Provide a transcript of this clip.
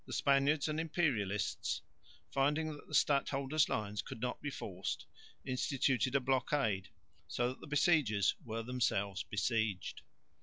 The Spaniards and Imperialists, finding that the stadholder's lines could not be forced, instituted a blockade, so that the besiegers were themselves besieged.